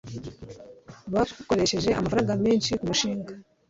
bakoresheje amafaranga menshi kumushinga